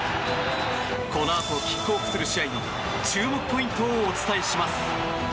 このあとキックオフする試合の注目ポイントをお伝えします！